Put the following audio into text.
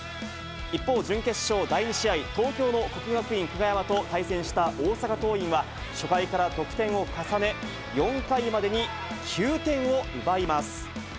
一方、準決勝第２試合、東京の國學院久我山と対戦した大阪桐蔭は、初回から得点を重ね、４回までに９点を奪います。